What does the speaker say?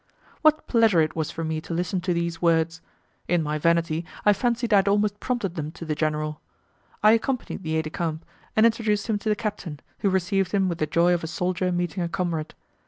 What pleasure it was for me to listen to these words! In my vanity, I fancied I had almost prompted them to the general. I accompanied the aide de camp, and introduced him to the captain who received him with the joy of a soldier meeting a comrade.